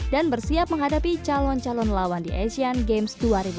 dan bersiap menghadapi calon calon lawan di asian games dua ribu delapan belas